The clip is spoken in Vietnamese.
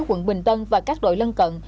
quận bình tân và các đội lân cận